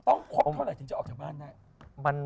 ครบเท่าไหร่ถึงจะออกจากบ้านได้